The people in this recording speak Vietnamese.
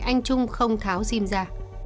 anh trung không tháo sim ra